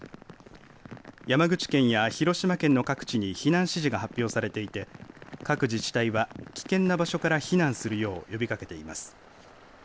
山口県や広島県の各地に避難指示が発表されていて各自治体は危険な場所から避難するよう呼びかけています。